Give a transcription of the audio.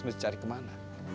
mas harus cari kemana